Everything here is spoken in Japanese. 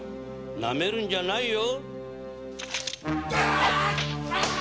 なめるんじゃないよ！